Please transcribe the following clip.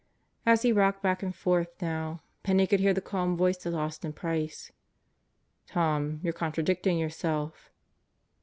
As he rocked back and forth now, Penney could hear the calm voice of Austin Price: "Tom, you're contradicting yourself."